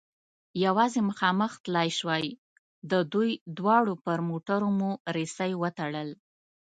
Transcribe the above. یوازې مخامخ تلای شوای، د دوی دواړو پر موټرو مو رسۍ و تړل.